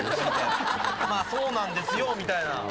「そうなんですよ」みたいな。